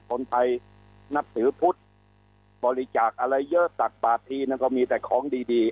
คนไทยนับถือพุทธบริจาคอะไรเยอะตักบาททีนั้นก็มีแต่ของดีดี